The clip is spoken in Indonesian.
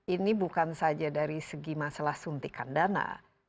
ini bukan saja dari segi masalah suntikan dana